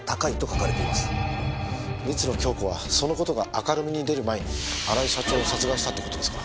光野響子はその事が明るみに出る前に荒井社長を殺害したって事ですか？